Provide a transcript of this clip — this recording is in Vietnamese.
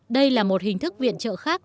đây là một hình thức viện trợ khác